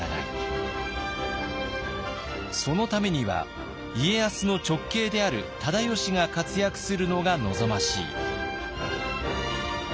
そのためには家康の直系である忠吉が活躍するのが望ましい。